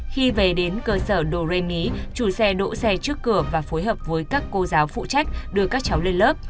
khi về đến cơ sở doremi chủ xe đỗ xe trước cửa và phối hợp với các cô giáo phụ trách đưa các cháu lên lớp